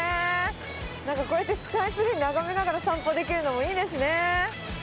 なんか、こうやってスカイツリー眺めながら散歩できるのもいいですね。